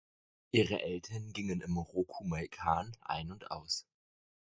Ihre Eltern gingen im Rokumeikan ein und aus.